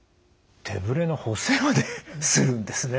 手ブレの補正までするんですね。